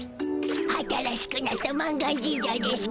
新しくなった満願神社でしゅ